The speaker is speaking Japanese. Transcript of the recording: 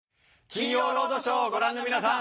『金曜ロードショー』をご覧の皆さん。